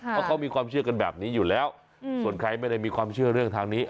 เพราะเขามีความเชื่อกันแบบนี้อยู่แล้วส่วนใครไม่ได้มีความเชื่อเรื่องทางนี้